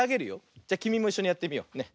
じゃきみもいっしょにやってみよう。ね。